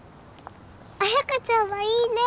彩香ちゃんはいいね。